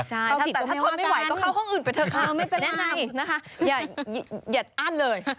แต่ถ้าทนไม่ไหวก็เข้าห้องอื่นไปเถอะค่ะแนะนำนะคะอย่าอั้นเลย